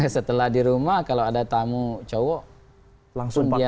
setelah di rumah kalau ada tamu cowok langsung dia